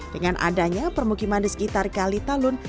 dengan adanya permukiman di sekitar kali talun